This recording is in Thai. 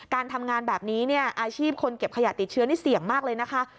การทำงานแบบนี้เนี่ยอาชีพคนเก็บขยะติดเชื้อนี่เสี่ยงมากเลยนะคะ